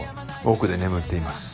奥で眠っています。